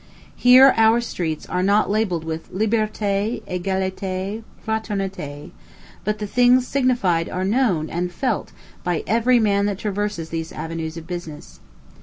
Here our streets are not labelled with "Liberté, Egalité, Fraternité," but the things signified are known and felt by every man that traverses these avenues of business.